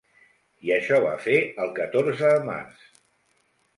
I això va fer el catorze de març.